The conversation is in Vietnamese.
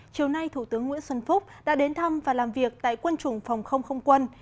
chiều nay thủ tướng nguyễn xuân phúc đã đến thăm và làm việc tại quân chủng phòng không không quân